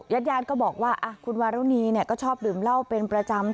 ญาติยาดก็บอกว่าคุณวารุณีก็ชอบดื่มเหล้าเป็นประจำ